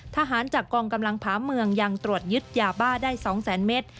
ทหารจากกองกำลังผาเมืองยังตรวจยึดยาบ้าได้๒แสนเมตร